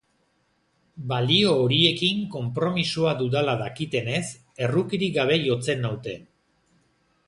Balio horiekin konpromisoa dudala dakitenez, errukirik gabe jotzen naute.